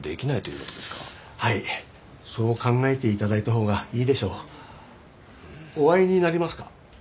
はいそう考えて頂いたほうがいいでしょうお会いになりますか？